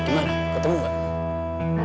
gimana ketemu enggak